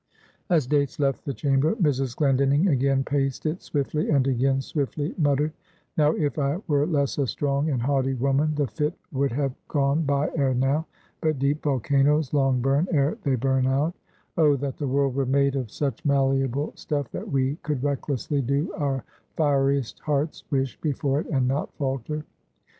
As Dates left the chamber, Mrs. Glendinning again paced it swiftly, and again swiftly muttered: "Now, if I were less a strong and haughty woman, the fit would have gone by ere now. But deep volcanoes long burn, ere they burn out. Oh, that the world were made of such malleable stuff, that we could recklessly do our fieriest heart's wish before it, and not falter.